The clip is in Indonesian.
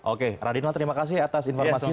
oke radina terima kasih atas informasinya